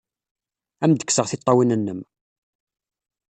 Ad am-d-kkseɣ tiṭṭawin-nnem!